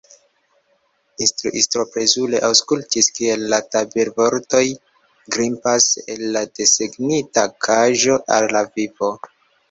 Instruisto plezure aŭskultis kiel la tabelvortoj grimpas el la desegnita kaĝo al la vivo.